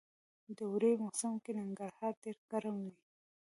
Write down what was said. د اوړي موسم کي ننګرهار ډير ګرم وي